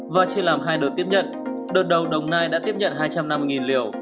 và trên làm hai đợt tiếp nhận đợt đầu đồng nai đã tiếp nhận hai trăm năm mươi liều